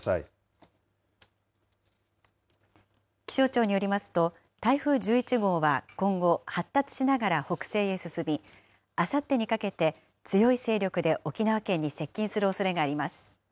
気象庁によりますと、台風１１号は今後、発達しながら北西へ進み、あさってにかけて、強い勢力で沖縄県に接近するおそれがあります。